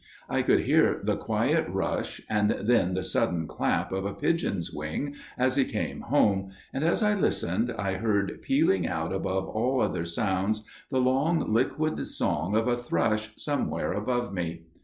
I could hear the quiet rush and then the sudden clap of a pigeon's wings as he came home, and as I listened I heard pealing out above all other sounds the long liquid song of a thrush somewhere above me.